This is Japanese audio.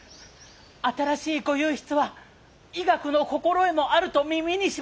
新しい御右筆は医学の心得もあると耳にしまして。